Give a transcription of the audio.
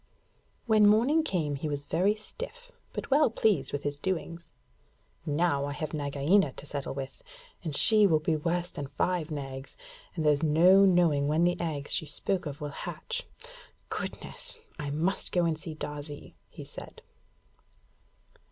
When morning came he was very stiff, but well pleased with his doings. 'Now I have Nagaina to settle with, and she will be worse than five Nags, and there's no knowing when the eggs she spoke of will hatch. Goodness! I must go and see Darzee,' he said.